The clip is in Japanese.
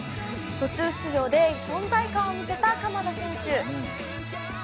途中出場で存在感を見せた鎌田選手。